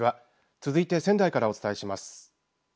続いて仙台からお伝えします。